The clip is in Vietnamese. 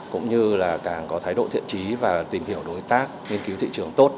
cũng như là càng có thái độ thiện trí và tìm hiểu đối tác nghiên cứu thị trường tốt